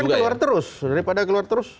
kan keluar terus daripada keluar terus